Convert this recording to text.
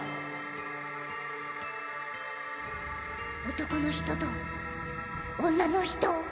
男の人と女の人？